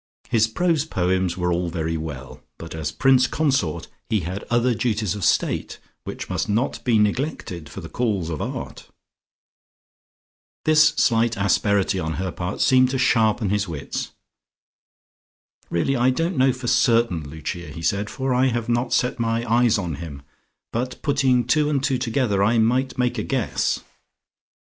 His prose poems were all very well, but as prince consort he had other duties of state which must not be neglected for the calls of Art. This slight asperity on her part seemed to sharpen his wits. "Really, I don't know for certain, Lucia," he said, "for I have not set my eyes on him. But putting two and two together, I might make a guess."